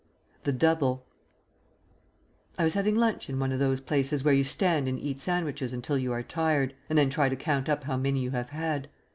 THE DOUBLE I was having lunch in one of those places where you stand and eat sandwiches until you are tired, and then try to count up how many you have had.